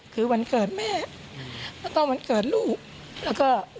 คือวันเกิดแม่แล้วก็วันเกิดลูก